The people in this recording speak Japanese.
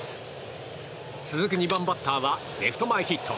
続く２番バッターはレフト前ヒット。